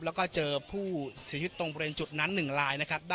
แล้วก็เจอผู้สิทธิ์ตรงบริเวณจุดนั้นหนึ่งลายนะครับ